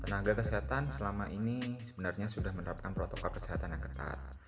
tenaga kesehatan selama ini sebenarnya sudah menerapkan protokol kesehatan yang ketat